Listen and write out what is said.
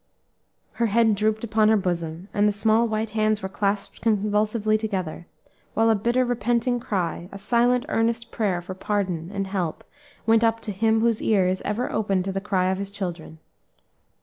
Her head drooped upon her bosom, and the small white hands were clasped convulsively together, while a bitter, repenting cry, a silent earnest prayer for pardon and help went up to Him whose ear is ever open to the cry of His children.